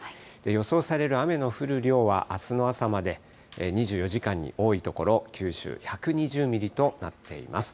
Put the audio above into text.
予想される雨の降る量は、あすの朝まで、２４時間に多い所、九州１２０ミリとなっています。